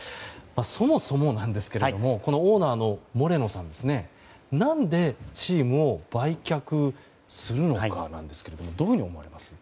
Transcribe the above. そもそも、オーナーのモレノさん何でチームを売却するのかなんですがどのように思いますか。